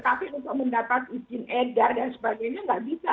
tapi untuk mendapat izin edar dan sebagainya nggak bisa